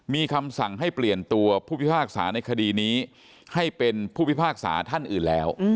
มีคำสั่งให้เปลี่ยนตัวผู้พิพากษาในคดีนี้ให้เป็นผู้พิพากษาท่านอื่นแล้ว